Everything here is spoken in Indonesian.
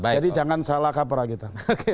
jadi jangan salah kapra kita